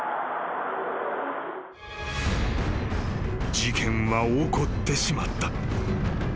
［事件は起こってしまった］